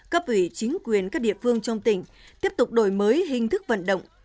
cấp ủy chính quyền các địa phương trong tỉnh tiếp tục đổi mới hình thức vận động